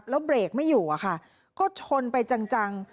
แล้วเบรกไม่อยู่อะค่ะก็ชนไปจัง